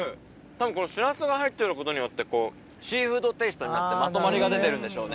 たぶんこのしらすが入ってることによってシーフードテイストになってまとまりが出てるんでしょうね。